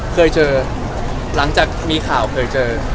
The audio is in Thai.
เคยเจอหลังจากมีข่าวเคยเจอ